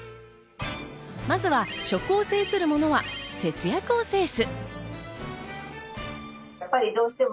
まずは、食を制するものは節約を制す。